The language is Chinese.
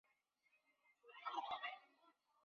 周柏豪小时候居住在青衣长康邨。